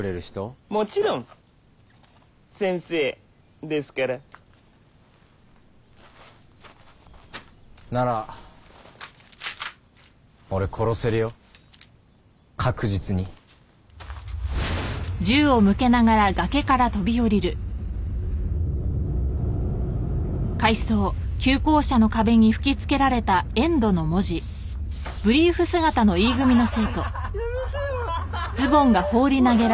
もちろん「先生」ですからなら俺殺せるよ確実にやめてよホイ！